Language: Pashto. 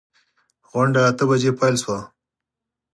غونډه اته بجې پیل شوه.